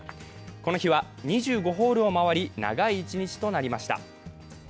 この日は、２５ホールを回り、長い一日となりました。